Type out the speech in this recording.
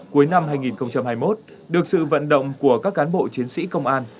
cuối năm hai nghìn hai mươi một được sự vận động của các cán bộ chiến sĩ công an